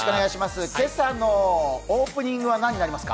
今朝のオープニングは何になりますか？